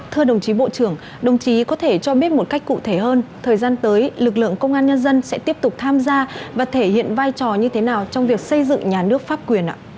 thưa đồng chí bộ trưởng đồng chí có thể cho biết một cách cụ thể hơn thời gian tới lực lượng công an nhân dân sẽ tiếp tục tham gia và thể hiện vai trò như thế nào trong việc xây dựng nhà nước pháp quyền ạ